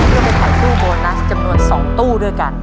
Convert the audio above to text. เพื่อไปขายตู้โบนัสจำนวน๒ตู้ด้วยกัน